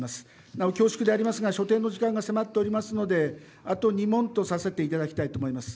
なお恐縮でありますが所定の時間が迫っておりますのであと２問とさせていただきたいと思います。